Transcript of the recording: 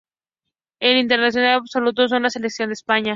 Es internacional absoluto con la selección de España.